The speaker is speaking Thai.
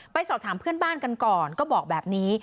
ไปสอบถามเพื่อนบ้านกันก่อนก็บอกแบบนี้